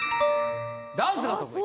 ダンスが得意！